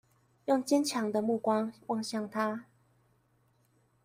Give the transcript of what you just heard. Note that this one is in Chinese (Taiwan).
用堅強的目光望向他